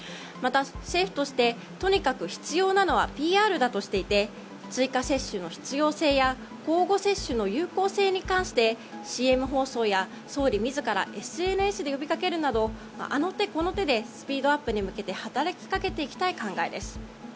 また、政府としてとにかく必要なのはＰＲだとしていて追加接種の必要性や交互接種の有効性についてＣＭ放送や総理自らＳＮＳなどで呼びかけるなどあの手この手でスピードアップに向けて働きかけていきたい考えです。